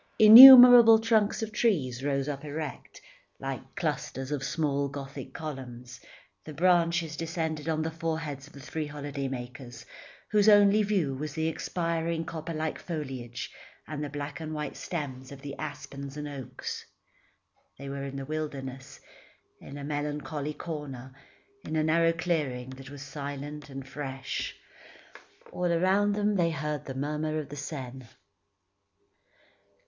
Innumerable trunks of trees rose up erect, like clusters of small gothic columns; the branches descended to the foreheads of the three holiday makers, whose only view was the expiring copper like foliage, and the black and white stems of the aspens and oaks. They were in the wilderness, in a melancholy corner, in a narrow clearing that was silent and fresh. All around them they heard the murmur of the Seine.